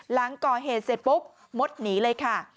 หลังก่อเหตุเสร็จปุ๊บมดหนีเลยค่ะ